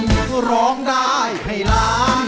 สวัสดีค่ะ